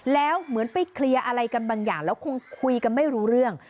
แล้วเหมือนไปเคลียร์อะไรกันบางอย่างแล้วคงคุยกันไม่รู้เรื่อง